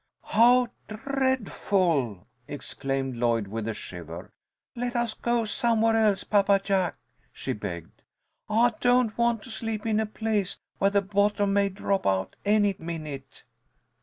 "How dreadful!" exclaimed Lloyd, with a shiver. "Let us go somewhere else, Papa Jack," she begged. "I don't want to sleep in a place where the bottom may drop out any minute."